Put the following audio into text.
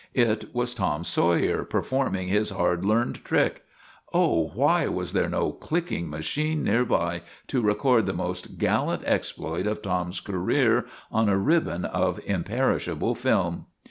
It was Tom Sawyer, performing his hard learned trick. Oh, why was there no clicking machine near by to record the most gallant exploit of Tom's career on a ribbon of imperishable film?